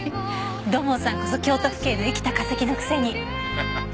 土門さんこそ京都府警の生きた化石のくせに。